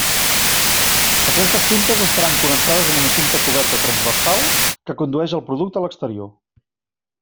Aquestes cintes estaran connectades amb una cinta coberta transversal que condueix el producte a l'exterior.